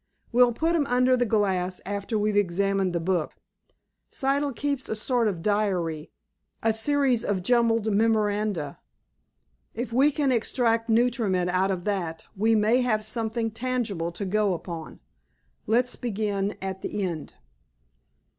We'll put 'em under the glass after we've examined the book. Siddle keeps a sort of diary, a series of jumbled memoranda. If we can extract nutriment out of that we may have something tangible to go upon. Let's begin at the end."